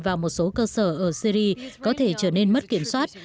và một số cơ sở ở syri có thể trở nên mất kiểm soát